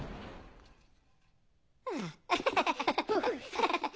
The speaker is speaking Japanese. ハァ。ハハハ。